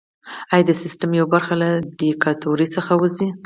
ایا د سیستم یوه برخه له دیکتاتورۍ څخه وځي؟